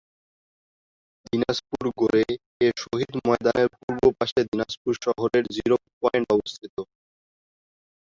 দিনাজপুর গোরে-এ-শহীদ ময়দানের পূর্ব পার্শ্বে দিনাজপুর শহরের "জিরো পয়েন্ট" অবস্থিত।